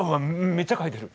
めっちゃ書いてる。